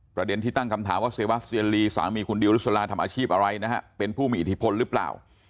ประเด็นที่ตั้งคำถามว่าเซวาสเตียลีสามีคุณดิวรุษลาทำอาชีพอะไรนะฮะเป็นผู้มีอิทธิพลหรือเปล่า